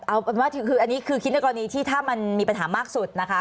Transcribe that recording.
อันนี้คือคิดในกรณีที่ถ้ามันมีปัญหามากสุดนะคะ